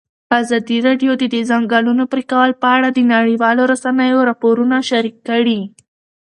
ازادي راډیو د د ځنګلونو پرېکول په اړه د نړیوالو رسنیو راپورونه شریک کړي.